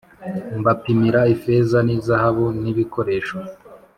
mbapimira ifeza ni zahabu n ibikoresho